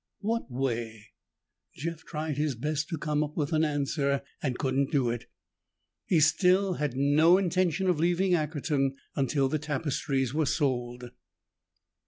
What way? Jeff tried his best to come up with an answer and couldn't do it. He still had no intention of leaving Ackerton until the tapestries were sold.